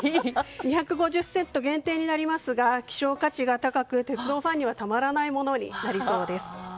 ２５０セット限定ですが希少価値が高く、鉄道ファンにはたまらないものになりそうです。